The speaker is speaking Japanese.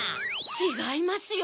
ちがいますよ！